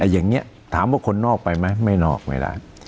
อย่างนี้ถามว่าคนนอกไปไหมไม่นอกไม่ได้